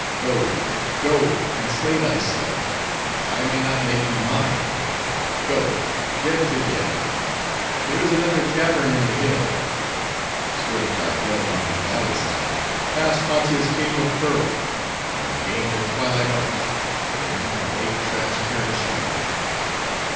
"Go, go,—and slay thyself: I may not make thee mine;—go,—dead to dead!—There is another cavern in the hill." Swift I fled along the valley side; passed Hautia's cave of pearls; and gained a twilight arch; within, a lake transparent shone.